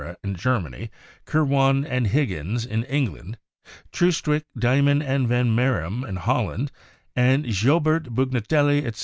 in Germany, Kirwan and Higgins in England, Troostwyk, Deiman and van Marum in Holland, and Gio bert, Brugnatelli, etc.